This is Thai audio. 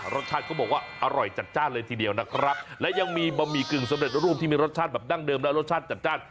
รสชาติเขาบอกว่าอร่อยจัดจ้านเลยทีเดียวนะครับและยังมีบะหมี่กึ่งสำเร็จรูปที่มีรสชาติแบบดั้งเดิมและรสชาติจัดจ้าน